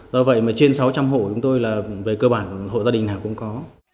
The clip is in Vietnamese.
do vậy trên sáu trăm linh hộ chúng tôi về cơ bản hộ gia đình nào cũng có